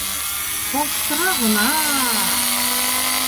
Шаштыра ғына!